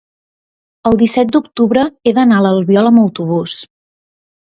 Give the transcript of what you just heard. el disset d'octubre he d'anar a l'Albiol amb autobús.